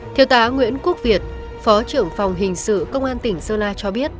thiều tá nguyễn quốc việt phó trưởng phòng hình sự công an tỉnh sơ la cho biết